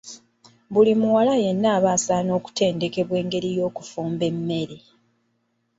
Buli muwala yenna aba asaana okutendekebwa engeri y'okufumba emmere.